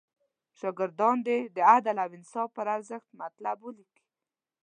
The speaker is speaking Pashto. شاګردان دې د عدل او انصاف پر ارزښت مطلب ولیکي.